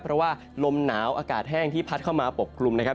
เพราะว่าลมหนาวอากาศแห้งที่พัดเข้ามาปกกลุ่มนะครับ